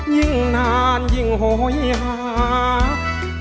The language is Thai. ยิ่งนานยิ่งหอยงาว